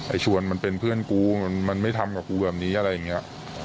ชวนมันเป็นเพื่อนกูมันไม่ทำกับกูแบบนี้อะไรอย่างนี้